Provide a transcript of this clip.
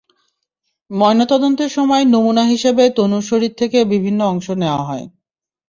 ময়নাতদন্তের সময় নমুনা হিসেবে তনুর শরীর থেকে বিভিন্ন অংশ নেওয়া হয়।